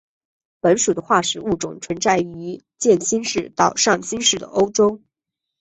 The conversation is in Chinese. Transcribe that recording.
本属的化石物种存在于渐新世到上新世的欧洲。